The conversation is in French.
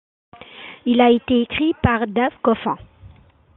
Il a été écrit par Dave Coffin.